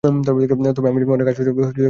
তবে আমি অনেক আশ্চর্য যৌগিক ক্রিয়া দেখিয়াছি।